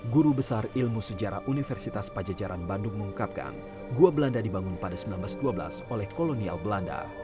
guru besar ilmu sejarah universitas pajajaran bandung mengungkapkan gua belanda dibangun pada seribu sembilan ratus dua belas oleh kolonial belanda